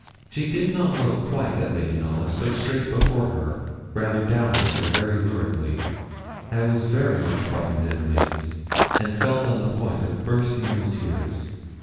She did not look quite at Lady Knollys, but straight before her, rather downward, and very luridly. I was very much frightened and amazed, and felt on the point of bursting into tears.